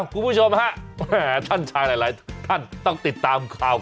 คุณผู้ชมฮะท่านชายหลายท่านต้องติดตามข่าว